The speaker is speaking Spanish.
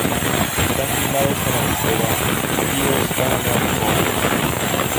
Están firmados con la disquera "Fierce Panda Recordings".